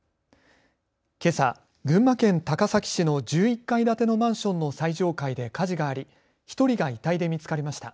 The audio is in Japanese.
けさ、群馬県高崎市の１１階建てのマンションの最上階で火事があり１人が遺体で見つかりました。